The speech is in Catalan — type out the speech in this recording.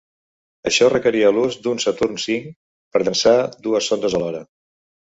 Això requeria l'ús d'un Saturn V per llançar dues sondes alhora.